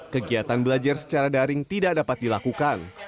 kegiatan belajar secara daring tidak dapat dilakukan